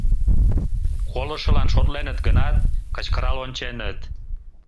Колышылан шотленыт гынат, кычкырал онченыт.